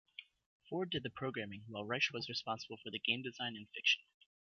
Ford did the programming, while Reiche was responsible for the game design and fiction.